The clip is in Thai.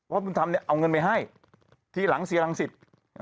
บุญธรรมเนี่ยเอาเงินไปให้ทีหลังเสียรังสิต